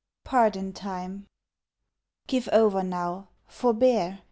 Pardon Time Give over now; forbear.